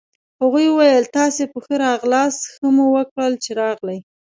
هغوی وویل: تاسي په ښه راغلاست، ښه مو وکړل چي راغلئ.